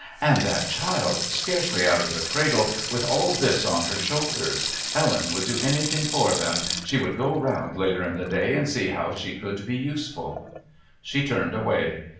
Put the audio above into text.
And that child, scarcely out of the cradle, with all this on her shoulders! Ellen would do anything for them! She would go round later in the day and see how she could be useful. She turned away.